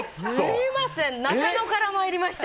すみません中野からまいりました。